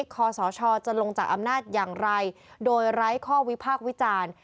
คอสชจะลงจากอำนาจอย่างไรโดยไร้ข้อวิพากษ์วิจารณ์